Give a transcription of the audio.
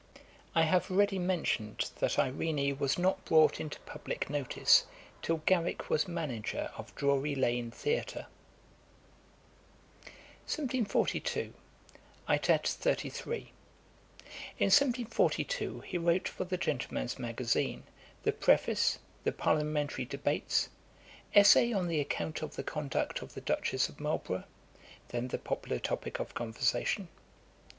I have already mentioned that Irene was not brought into publick notice till Garrick was manager of Drury lane theatre. [Page 154: Osborne the bookseller. A.D. 1742.] 1742: ÆTAT. 33. In 1742 he wrote for the Gentleman's Magazine the 'Preface,[dagger] the 'Parliamentary Debates,'[*] 'Essay on the Account of the conduct of the Duchess of Marlborough,'[*] then the popular topick of conversation.